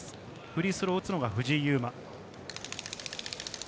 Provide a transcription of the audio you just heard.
フリースローを打つのは藤井祐眞。